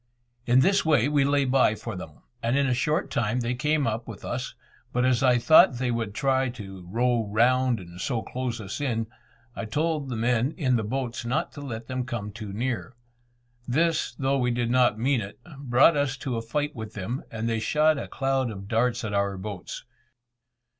In this way we lay by for them, and in a short time they came up with us; but as I thought they would try to row round and so close us in, I told the men in the boats not to let them come too near. This, though we did not mean it, brought us to a fight with them, and they shot a cloud of darts at our boats.